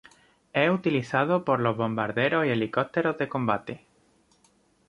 Es utilizado por los bombarderos y helicópteros de combate.